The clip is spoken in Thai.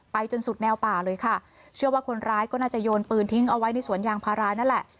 จนสุดแนวป่าเลยค่ะเชื่อว่าคนร้ายก็น่าจะโยนปืนทิ้งเอาไว้ในสวนยางพารานั่นแหละ